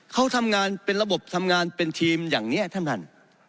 เขาทำงานเป็นระบบทำงานเป็นทีมอย่างนี้ท่านท่าน